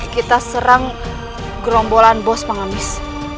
kita serang gerombolan bos mengemis